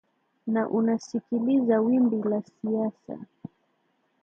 na unasikiliza wimbi la siasa